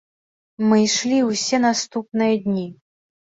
Мы ішлі ўсе наступныя дні.